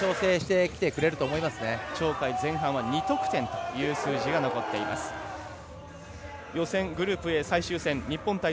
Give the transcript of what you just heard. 鳥海は前半２得点という数字が残っています。